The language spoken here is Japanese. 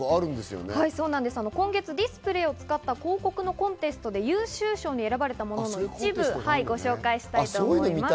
今月、ディスプレイを使った広告のコンテストで優秀賞に選ばれたものの一部をご紹介したいと思います。